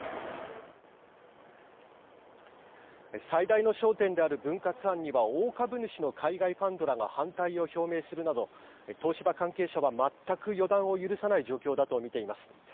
最大の焦点である分割案には大株主の海外ファンドらが反対を表明するなど東芝関係者は全く予断を許さない状況だと見ています。